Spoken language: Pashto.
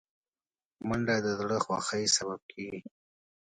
منډه د زړه خوښۍ سبب کېږي